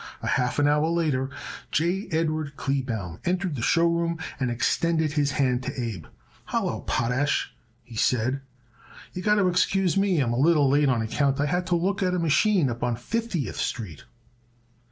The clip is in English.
A half an hour later J. Edward Kleebaum entered the show room and extended his hand to Abe. "Hallo, Potash," he said. "You got to excuse me I'm a little late on account I had to look at a machine up on Fiftieth Street."